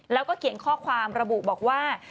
แล้วก็เขียนข้อความระบุบอกว่า